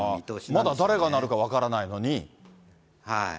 まだ誰がなるか分からないのに？